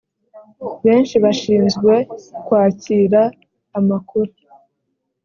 benshi bashinzwe kwakira amakuru